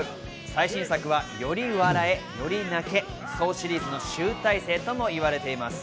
最新作はより笑え、より泣け、『ソー』シリーズの集大成ともいわれています。